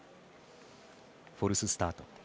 フォルススタート。